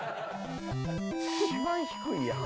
一番低いやん。